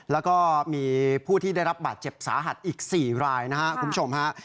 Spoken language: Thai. แล้วก็มีผู้ที่ได้รับบาดเจ็บสาหัสอีก๔รายนะครับคุณผู้ชมฮะ